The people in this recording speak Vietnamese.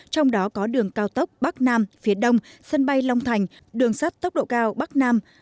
trong đó có đường cao tốc bắc nam phía đông sân bay long thành đường sắt tốc độ cao bắc nam